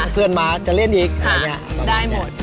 เพื่อนมาจะเล่นอีกอะไรแบบนี้